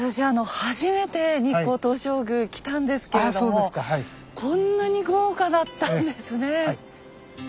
初めて日光東照宮来たんですけれどもこんなに豪華だったんですね。